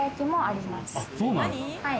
はい。